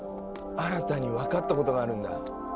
新たに分かったことがあるんだ。